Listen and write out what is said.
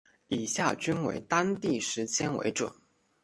以下均为当地时间为准。